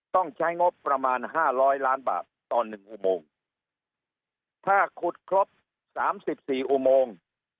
ต้องใช้งบประมาณห้าร้อยล้านบาทต่อหนึ่งอุโมงถ้าขุดครบสามสิบสี่อุโมง